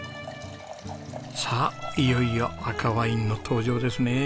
さあいよいよ赤ワインの登場ですね。